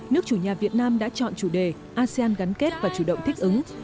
hai nghìn hai mươi nước chủ nhà việt nam đã chọn chủ đề asean gắn kết và chủ động thích ứng